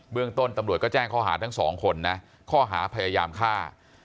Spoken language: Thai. เรื่องต้นตำรวจก็แจ้งข้อหาทั้งสองคนนะข้อหาพยายามฆ่า